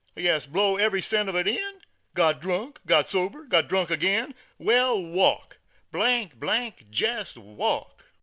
Ya s, blew every cent of it in; Got drunk, got sober, got drunk agin. Wal, walk, ! Jest walk.